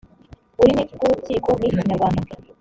ururimi rw urukiko ni ikinyarwanda